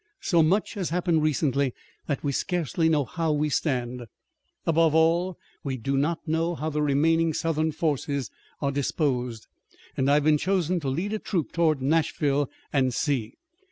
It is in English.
"So much has happened recently that we scarcely know how we stand. Above all, we do not know how the remaining Southern forces are disposed, and I have been chosen to lead a troop toward Nashville and see.